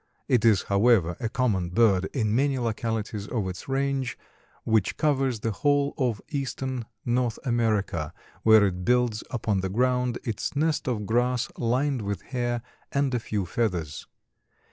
It is, however, a common bird in many localities of its range, which covers the whole of eastern North America, where it builds, upon the ground, its nest of grass lined with hair and a few feathers.